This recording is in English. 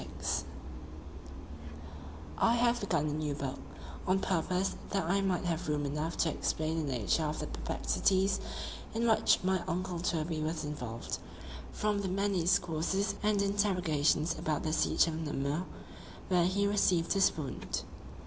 XXVI I HAVE begun a new book, on purpose that I might have room enough to explain the nature of the perplexities in which my uncle Toby was involved, from the many discourses and interrogations about the siege of Namur, where he received his wound.